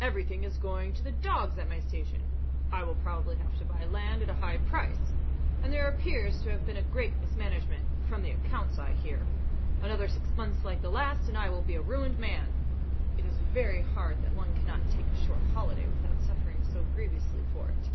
"Everything is going to the dogs at my station. I will probably have to buy land at a high price; and there appears to have been great mismanagement, from the accounts I hear. Another six months like the last and I will be a ruined man. It is very hard that one cannot take a short holiday without suffering so grievously for it.